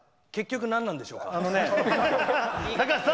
結局、なんなんでしょうか。